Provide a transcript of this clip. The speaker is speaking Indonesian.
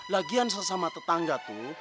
lagian sama tetangga tuh